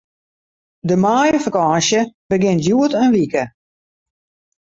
De maaiefakânsje begjint hjoed in wike.